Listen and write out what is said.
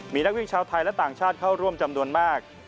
มีนักวิ่งชาวไทยและต่างชาติเข้าร่วมจำนวนมาก